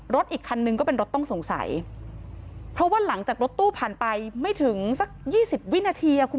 อีกคันนึงก็เป็นรถต้องสงสัยเพราะว่าหลังจากรถตู้ผ่านไปไม่ถึงสักยี่สิบวินาทีอ่ะคุณ